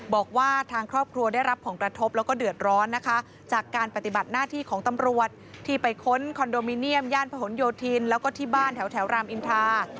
บอกว่าทางครอบครัวได้รับผลกระทบแล้วก็เดือดร้อนนะคะจากการปฏิบัติหน้าที่ของตำรวจที่ไปค้นคอนโดมิเนียมย่านผนโยธินแล้วก็ที่บ้านแถวรามอินทรา